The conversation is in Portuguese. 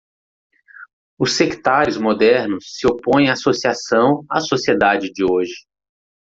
Os sectários modernos se opõem à associação à sociedade de hoje.